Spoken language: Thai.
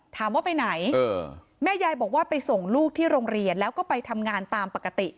ถามว่าไปไหนแม่ยายบอกว่าไปส่งลูกที่โรงเรียนแล้วก็ไปทำงานตามปกติ